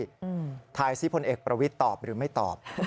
ถ่ายซิพลเอกประวิทย์ตอบหรือไม่ตอบ